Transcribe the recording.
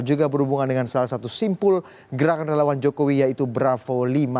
juga berhubungan dengan salah satu simpul gerakan relawan jokowi yaitu bravo lima